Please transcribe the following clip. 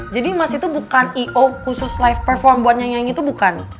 jadi mas itu bukan i o khusus live perform buat nyanyi itu bukan